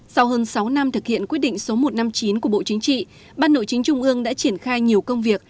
sau hơn sáu năm thực hiện quyết định số một trăm năm mươi chín của bộ chính trị ban nội chính trung ương đã triển khai nhiều công việc